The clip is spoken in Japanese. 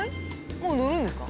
もう乗るんですか？